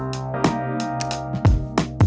บางทีการเราเอาอารมณ์ของเราไปใส่ในเนื้อเรื่องมากเกินไป